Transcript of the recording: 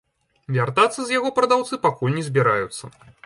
Вяртацца з яго прадаўцы пакуль не збіраюцца.